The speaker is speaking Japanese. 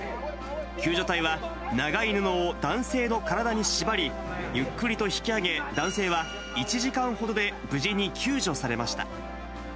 救助隊は、長い布を男性の体に縛り、ゆっくりと引き上げ、男性は１時間ほどで無事に救助されました。